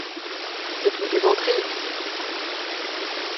C’est une plaisanterie…